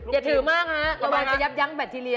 อย่าถือมากฮะระบายเป็นชัยับยั้งแบคทีเรีย